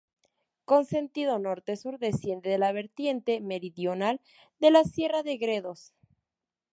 Con sentido norte-sur, desciende de la vertiente meridional de la sierra de Gredos.